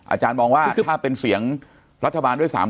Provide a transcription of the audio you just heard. อาจารย์มองว่าถ้าเป็นเสียงรัฐบาลด้วย๓๐